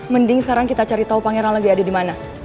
mending sekarang kita cari tau pangeran lagi ada dimana